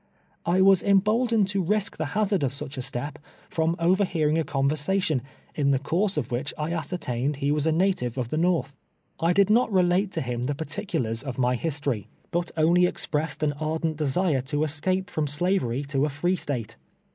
I was emboldened to risk the hazard of such a step, from overhearing a conversation, in the course of which I ascertained he was a native of the Xorth. I did not relate to him the particulars of my history, but only EETUEISr TO BATtiOU BCErT. 197 expressed an ardent desire to escape from slaverj to a free State.